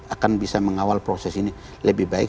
akan bisa mengawal proses ini lebih baik